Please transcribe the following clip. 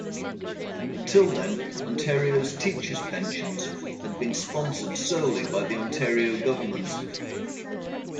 Until then, Ontario teachers' pensions had been sponsored solely by the Ontario government.